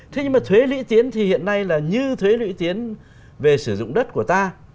thế nhưng mà thuế lũy tiến thì hiện nay là như thuế lũy tiến về sử dụng đất của ta